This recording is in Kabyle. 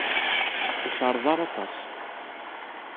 Ur cerreḍ ara aṭas.